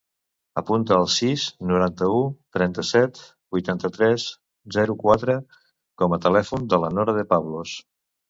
Apunta el sis, noranta-u, trenta-set, vuitanta-tres, zero, quatre com a telèfon de la Nora De Pablos.